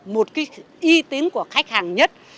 một cái y tín của khách hàng nhất